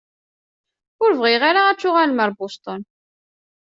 Ur bɣiɣ ara ad tuɣalem ar Boston.